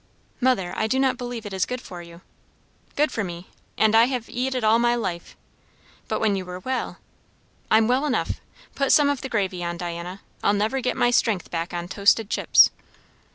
"Mother, I do not believe it is good for you." "Good for me? And I have eat it all my life." "But when you were well." "I'm well enough. Put some of the gravy on, Diana. I'll never get my strength back on toasted chips."